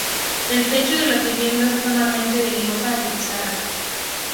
El techo de las viviendas es normalmente de losa de pizarra.